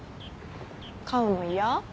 飼うの嫌？